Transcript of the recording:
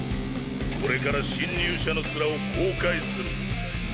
これから侵入者の面を公開する。